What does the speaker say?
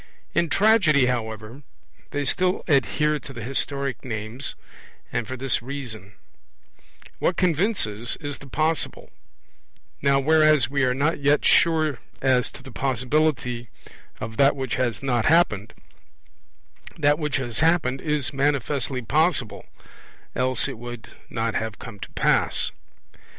In Tragedy, however, they still adhere to the historic names; and for this reason: what convinces is the possible; now whereas we are not yet sure as to the possibility of that which has not happened, that which has happened is manifestly possible, else it would not have come to pass.